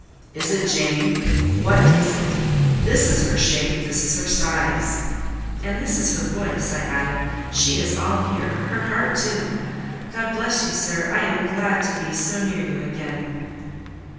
"Is it Jane? What is it? This is her shape—this is her size—" "And this her voice," I added. "She is all here: her heart, too. God bless you, sir! I am glad to be so near you again."